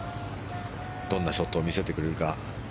どんなショットを見せてくれるか。